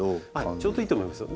ちょうどいいと思いますよ。